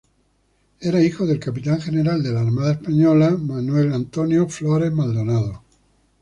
Era hijo del capitán general de la Armada Española Don Manuel Antonio Flórez Maldonado.